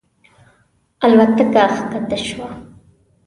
الوتکه کښته شوه.